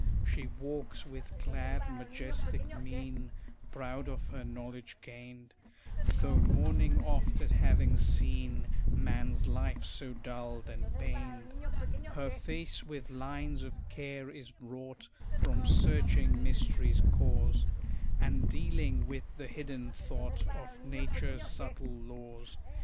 She walks with glad majestic mien, Proud of her knowledge gained; Though mourning oft at having seen Man's life so dulled and pained. Her face with lines of care is wrought, From searching mystery's cause, And dealing with the hidden thought Of nature's subtle laws.